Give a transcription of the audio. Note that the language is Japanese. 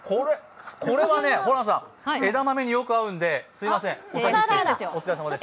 これはね、ホランさん、枝豆によく合うんで、すいません、お先、失礼します。